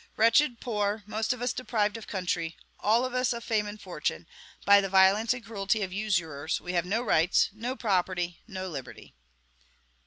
Wretched, poor, most of us deprived of country, all of us of fame and fortune, by the violence and cruelty of usurers, we have no rights, no property, no liberty."